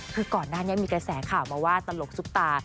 คือก่อนหน้านี้มีกระแสข่าวมาว่าตลกซุปตา